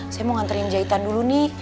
saya mau nganterin jahitan dulu nih